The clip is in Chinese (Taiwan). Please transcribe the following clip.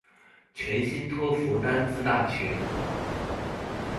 全新托福單字大全